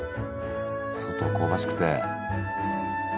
外は香ばしくて。